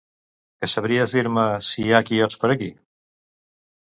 Que sabries dir-me si hi ha quioscs per aquí?